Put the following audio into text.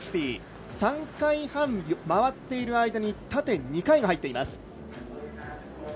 ３回半、回っている間に縦２回が入っています。